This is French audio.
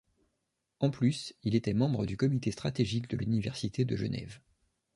En plus il était membre du Comité stratégique de l’Université de Genève.